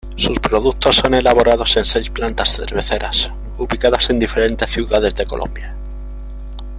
Sus productos son elaborados en seis plantas cerveceras ubicadas en diferentes ciudades de Colombia.